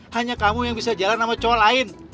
hanya kamu yang bisa jalan sama cowok lain